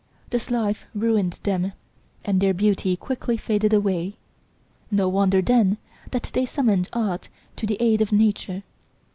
This life ruined them, and their beauty quickly faded away; no wonder, then, that they summoned art to the aid of nature.